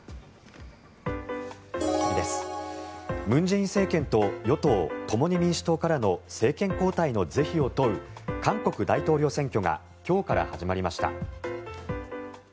文在寅政権と与党・共に民主党からの政権交代の是非を問う韓国大統領選挙が今日から始まりました。